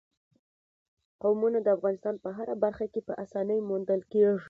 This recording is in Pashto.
قومونه د افغانستان په هره برخه کې په اسانۍ موندل کېږي.